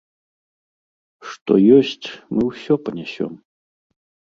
Што ёсць, мы ўсё панясём.